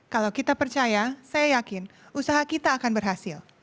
kalau kita percaya saya yakin usaha kita akan berhasil